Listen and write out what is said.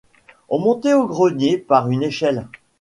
On montait au grenier par une échelle.